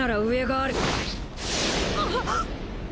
あっ！？